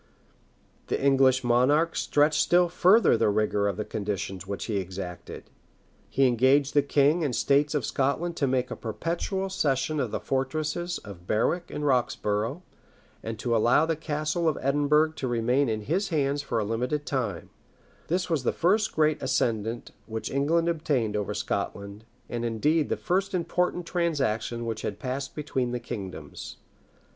] The English monarch stretched still further the rigor of the conditions which he exacted. He engaged the king and states of Scotland to make a perpetual cession of the fortresses of Berwick and Roxborough, and to allow the castle of Edinburgh to remain in his hands for a limited time This was the first great ascendant which England obtained over Scotland; and indeed the first important transaction which had passed between the kingdoms.